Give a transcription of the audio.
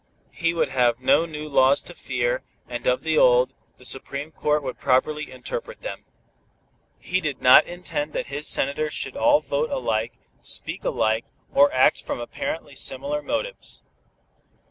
He would have no new laws to fear, and of the old, the Supreme Court would properly interpret them. He did not intend that his Senators should all vote alike, speak alike, or act from apparently similar motives.